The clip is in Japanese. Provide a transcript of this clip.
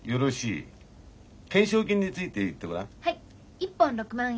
１本６万円